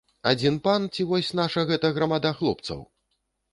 Адзін пан ці вось наша гэта грамада хлопцаў?!